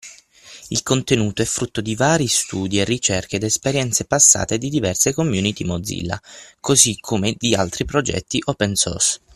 Il contenuto è frutto di vari studi e ricerche da esperienze passate di diverse community Mozilla, così come di altri progetti Open Source.